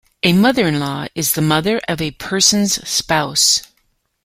A mother-in-law is the mother of a person's spouse.